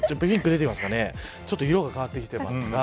ちょっと色が変わってきてますが。